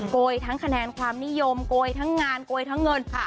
โกยทั้งคะแนนความนิยมโกยทั้งงานโกยทั้งเงิน